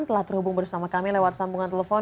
telah terhubung bersama kami lewat sambungan telepon